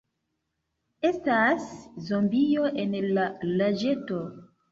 Estas zombio en la lageto.